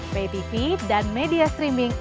ptv dan media streaming